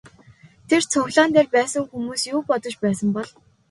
Тэр цуглаан дээр байсан хүмүүс юу бодож байсан бол?